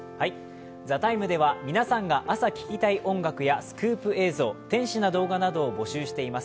「ＴＨＥＴＩＭＥ，」では皆さんが朝聴きたい音楽やスクープ映像、天使な動画などを募集しています。